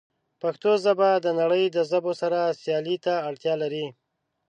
پښتو ژبه د نړۍ د ژبو سره سیالۍ ته اړتیا لري.